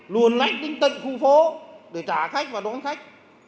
luồn lách linh tận khu phố để trả khách và đón khách